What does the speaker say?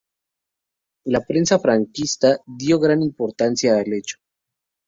La prensa franquista dio gran importancia al hecho.